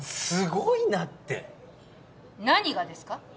すごいなって何がですか？